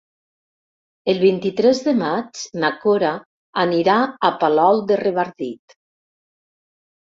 El vint-i-tres de maig na Cora anirà a Palol de Revardit.